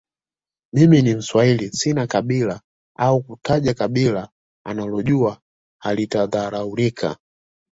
mimi ni mswahili sina kabila au kutaja kabila analojua halitadharaulika